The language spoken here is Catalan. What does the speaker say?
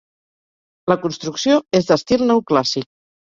La construcció és d'estil neoclàssic.